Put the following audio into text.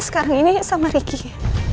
sekarang ini sama ricky